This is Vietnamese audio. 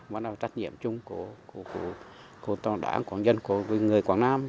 mà là trách nhiệm chung của toàn đảng của dân của người quảng nam